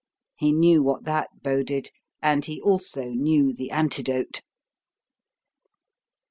He knew what that boded; and he also knew the antidote.